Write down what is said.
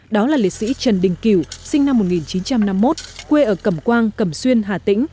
đó là liệt sĩ trần đình kiểu sinh năm một nghìn chín trăm năm mươi một quê ở cẩm quang cẩm xuyên hà tĩnh